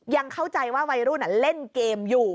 ยังเข้าใจว่าวัยรุ่นเล่นเกมอยู่